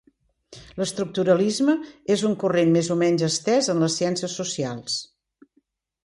L'estructuralisme és un corrent més o menys estès en les ciències socials.